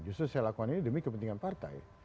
justru saya lakukan ini demi kepentingan partai